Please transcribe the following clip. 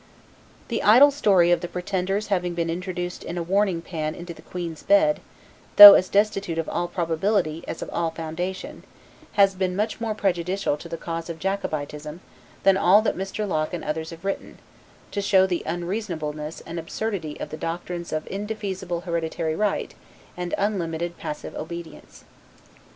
The idle story of the pretender's having been introduced in a warming pan into the queen's bed, though as destitute of all probability as of all foundation, has been much more prejudicial to the cause of Jacobitism than all that Mr. Locke and others have written, to show the unreasonableness and absurdity of the doctrines of indefeasible hereditary right, and unlimited passive obedience.